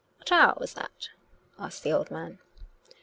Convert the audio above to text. " What hour was that? " asked the old man.